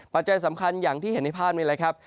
ปัจจัยสำคัญอย่างที่เห็นในภาพนี้แหละครับ